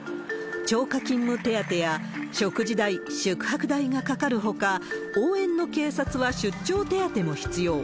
超過勤務手当や、食事代、宿泊代がかかるほか、応援の警察は出張手当も必要。